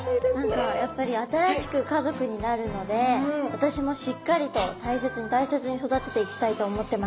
何かやっぱり新しく家族になるので私もしっかりと大切に大切に育てていきたいと思ってます。